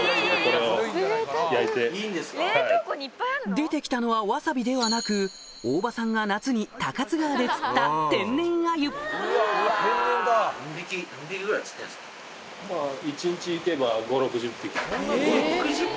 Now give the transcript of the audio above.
出てきたのはワサビではなく大庭さんが夏に高津川で釣った５０６０匹？